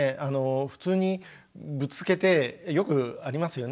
普通にぶつけてよくありますよね。